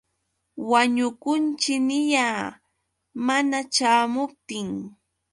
Wañukunćhi niyaa. Mana ćhaamuptin.